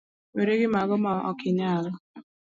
weri gimago ma okinyal.